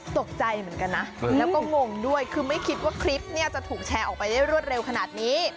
ตกใจเหมือนกันนะแล้วก็งงด้วยคือไม่คิดว่าคลิปเนี่ยจะถูกแชร์ออกไปได้รวดเร็วขนาดนี้